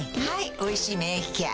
「おいしい免疫ケア」